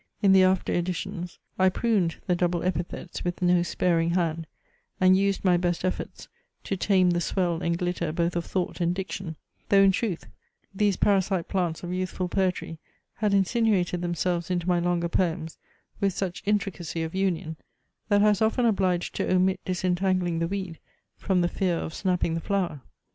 In the after editions, I pruned the double epithets with no sparing hand, and used my best efforts to tame the swell and glitter both of thought and diction; though in truth, these parasite plants of youthful poetry had insinuated themselves into my longer poems with such intricacy of union, that I was often obliged to omit disentangling the weed, from the fear of snapping the flower.